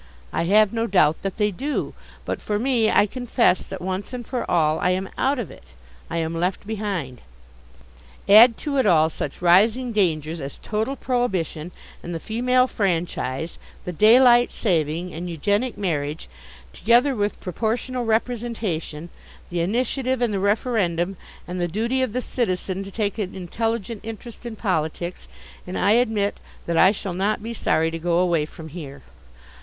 I have no doubt that they do. But, for me, I confess that once and for all I am out of it. I am left behind. Add to it all such rising dangers as total prohibition, and the female franchise, the daylight saving, and eugenic marriage, together with proportional representation, the initiative and the referendum, and the duty of the citizen to take an intelligent interest in politics and I admit that I shall not be sorry to go away from here.